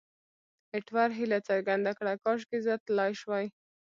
ایټور هیله څرګنده کړه، کاشکې زه تلای شوای.